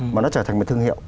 mà nó trở thành một thương hiệu